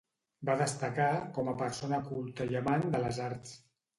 Va destacar com a persona culta i amant de les arts.